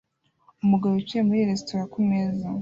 Umugabo wicaye muri resitora kumeza